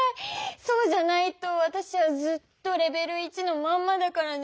そうじゃないとわたしはずっとレベル１のまんまだからね。